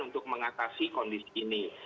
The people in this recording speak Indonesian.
untuk mengatasi kondisi ini